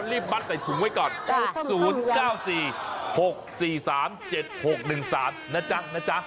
รีบมัดใส่ถุงไว้ก่อน๐๙๔๖๔๓๗๖๑๓นะจ๊ะนะจ๊ะ